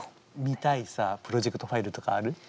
見たいさプロジェクトファイルとかある？